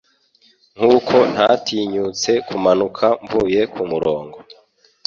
Nkuko ntatinyutse kumanuka mvuye kumurongo